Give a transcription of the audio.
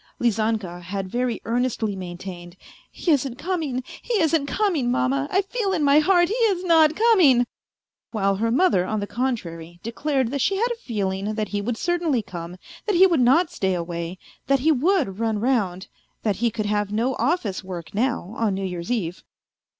Lizanka had very earnestly maintained, " He isn't coming, he isn't coming, Mamma; I feel in my heart he is not coming ;" while her mother on the contrary declared " that she had a feeling that he would certainly come, that he would not stay away, that he would run round, that he could have no office work now, on New Year's Eve.